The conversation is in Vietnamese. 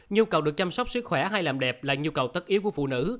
nhu cầu được chăm sóc sức khỏe hay làm đẹp là nhu cầu tất yếu của phụ nữ